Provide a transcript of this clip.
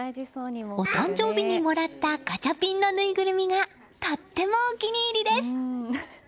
お誕生日にもらったガチャピンのぬいぐるみがとってもお気に入りです。